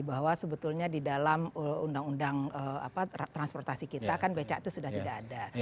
bahwa sebetulnya di dalam undang undang transportasi kita kan becak itu sudah tidak ada